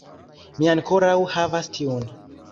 Mi ankoraŭ havas tiun